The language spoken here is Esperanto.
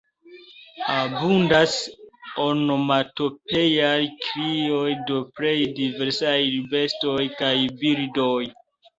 Abundas onomatopeaj krioj de plej diversaj bestoj kaj birdoj.